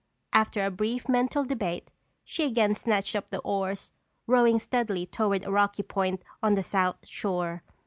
After a brief mental debate, she again snatched up the oars, rowing steadily toward a rocky point on the south shore.